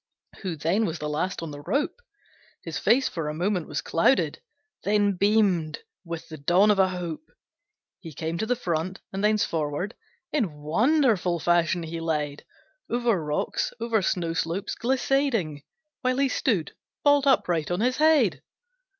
Who then was the last on the rope; His face for a moment was clouded, Then beamed with the dawn of a hope; He came to the front, and thence forward In wonderful fashion he led, Over rocks, over snow slopes glissading, While he stood, bolt upright on his head!